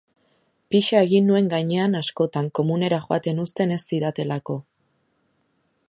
Pixa egin nuen gainean askotan komunera joaten uzten ez zidatelako.